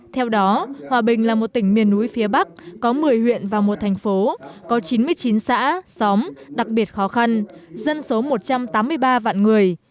theo đó hòa bình là một tỉnh miền núi phía bắc có một mươi huyện và một thành phố có chín mươi chín xã xóm đặc biệt khó khăn dân số một trăm tám mươi ba vạn người